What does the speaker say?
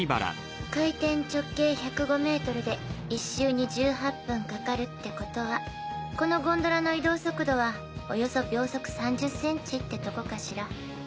回転直径１０５ｍで１周に１８分かかるってことはこのゴンドラの移動速度はおよそ秒速３０ｃｍってとこかしら。